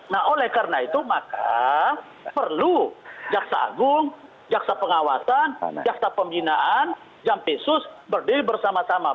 nah oleh karena itu maka perlu jaksa agung jaksa pengawasan jaksa pembinaan jampisus berdiri bersama sama